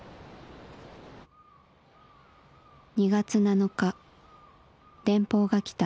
２月７日電報が来た」。